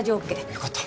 よかった。